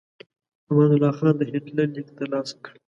امان الله خان د هیټلر لیک ترلاسه کړ.